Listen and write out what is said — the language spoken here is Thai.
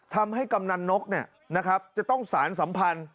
กำนันนกจะต้องสารสัมพันธ์